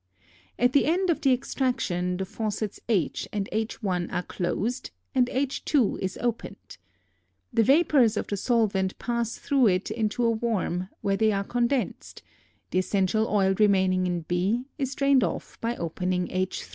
At the end of the extraction the faucets H and H_ are closed and H_, is opened. The vapors of the solvent pass through it into a worm where they are condensed; the essential oil remaining in B is drained off by opening H_.